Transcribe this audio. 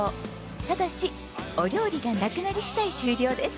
ただしお料理がなくなり次第終了です。